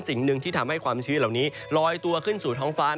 สิ่งหนึ่งที่ทำให้ความชื้นเหล่านี้ลอยตัวขึ้นสู่ท้องฟ้า